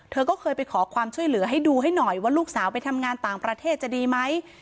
เธอก็เคยไปขอความช่วยเหลือให้ดูให้หน่อยว่าลูกสาวไปทำงานต่างประเทศจะดีไหม